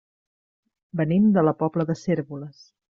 Venim de la Pobla de Cérvoles.